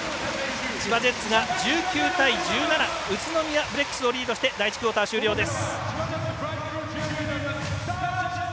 千葉ジェッツが１９対１７宇都宮ブレックスをリードして第１クオーター終了です。